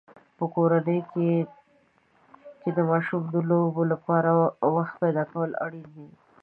په کورنۍ کې د ماشومانو د لوبو لپاره وخت پیدا کول اړین دي.